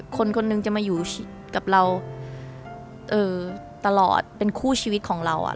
คนคนหนึ่งจะมาอยู่กับเราตลอดเป็นคู่ชีวิตของเรา